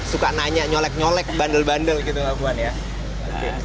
suka nanya nyolek nyolek bandel bandel gitu mbak puan ya